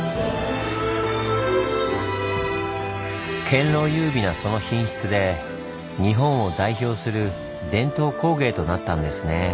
堅牢優美なその品質で日本を代表する伝統工芸となったんですねぇ。